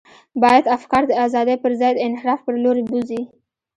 باید افکار د ازادۍ پر ځای د انحراف پر لور بوزي.